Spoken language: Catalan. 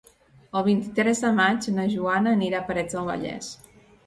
El vint-i-tres de maig na Joana anirà a Parets del Vallès.